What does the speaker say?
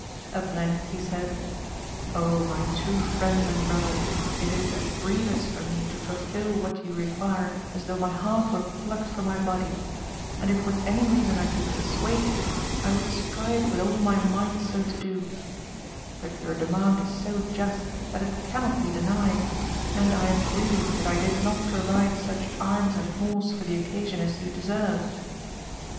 At length he said, my true friend and brother, it is as grievous for me to fulfil what you require as though my heart were plucked jfrom my body ; and if with any reason I could dissuade you, I would strive with all my might so to do ; but your demand is so just, that it cannot be denied ; and I am grieved that I did not provide such arms and horse for the occasion as you deserve.